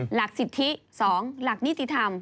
หลักสิทธิ๒หลักนิติธรรม